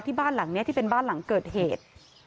บ้านหลังนี้ที่เป็นบ้านหลังเกิดเหตุ